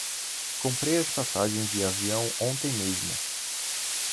Comprei as passagens de avião ontem mesmo.